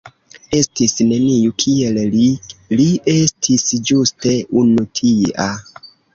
Estis neniu kiel li, li estis ĝuste unu tia".